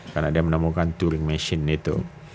karena dia menemukan turing machine itu